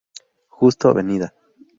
Justo; Av.